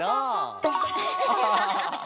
アハハハ！